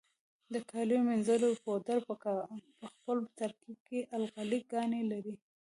د کالیو منیځلو پوډر په خپل ترکیب کې القلي ګانې لري.